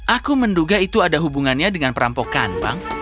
aku menduga itu ada hubungannya dengan perampokan bang